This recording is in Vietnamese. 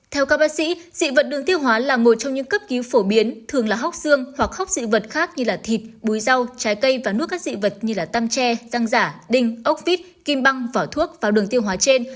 theo các bác sĩ dị vật đường tiêu hóa là một trong những cấp cứu phổ biến thường là hóc xương hoặc khóc dị vật khác như thịt búi rau trái cây và nước các dị vật như tăm tre răng giả đinh ốc vít kim băng vỏ thuốc vào đường tiêu hóa trên